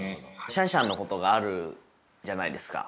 シャンシャンのことがあるじゃないですか